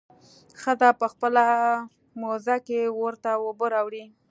ښځه په خپله موزه کښې ورته اوبه راوړي.